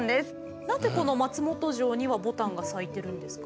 何でこの松本城には牡丹が咲いてるんですか？